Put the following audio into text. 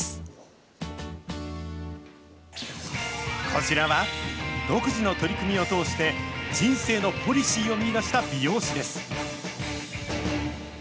こちらは、独自の取り組みを通して、人生のポリシーを見いだした美容師です。